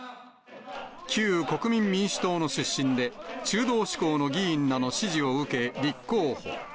旧国民民主党の出身で、中道志向の議員らの支持を受け、立候補。